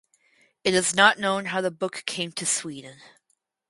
It is not known how the book came to Sweden.